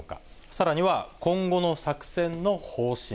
さらには、今後の作戦の方針。